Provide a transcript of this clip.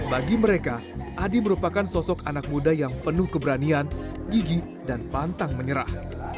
bagi mereka adi merupakan sosok anak muda yang penuh keberanian gigi dan pantang menyerah